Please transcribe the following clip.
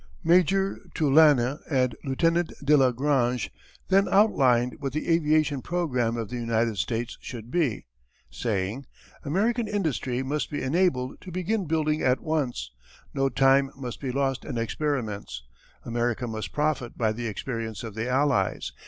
Major Tulasne and Lieutenant de la Grange then outlined what the aviation programme of the United States should be, saying: "American industry must be enabled to begin building at once. No time must be lost in experiments. America must profit by the experience of the Allies.